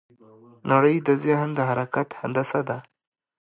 نړۍ د ذهن د حرکت هندسه ده.